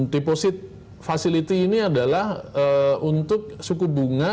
deposit facility ini adalah untuk suku bunga